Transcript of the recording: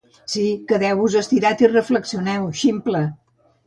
Sí, quedeu-vos estirat i reflexioneu, ximple!